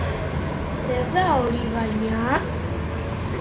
Zer da hori baina?